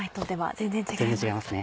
全然違いますね。